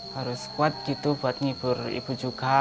harus kuat gitu buat ngibur ibu juga